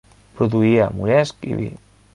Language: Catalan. Produïa moresc i vi.